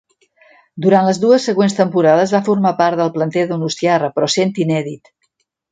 Durant les dues següents temporades va formar part del planter donostiarra, però sent inèdit.